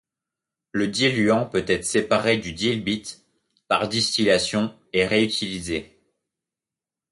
Le diluant peut être séparé du dilbit par distillation et réutilisé.